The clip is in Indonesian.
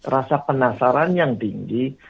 rasa penasaran yang tinggi